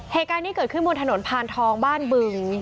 เหตุการณ์นี้เกิดขึ้นบนถนนพานทองบ้านบึง